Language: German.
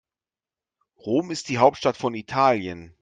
Rom ist die Hauptstadt von Italien.